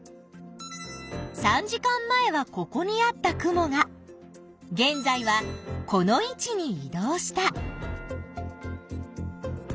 ３時間前はここにあった雲が現在はこの位置にい動した。